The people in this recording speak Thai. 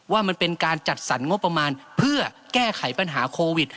ว่ามันเป็นการจัดสรรงบประมาณเพื่อแก้ไขปัญหาโควิด